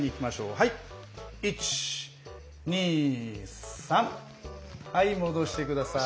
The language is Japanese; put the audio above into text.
はい戻して下さい。